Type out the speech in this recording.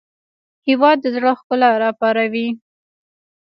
هېواد د زړه ښکلا راپاروي.